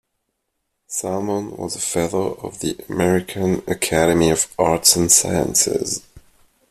Salmon was a fellow of the American Academy of Arts and Sciences.